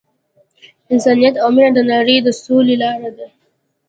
انسانیت او مینه د نړۍ د سولې لاره ده.